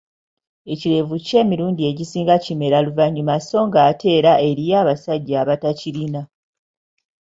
Ekirevu kyo emilundi egisinga kimera luvanyuma so ng'ate era eriyo abasajja abatakirina